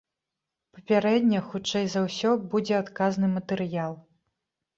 Папярэдне, хутчэй за ўсё, будзе адказны матэрыял.